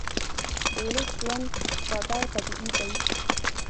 د ولس ژوند ساده او طبیعي دی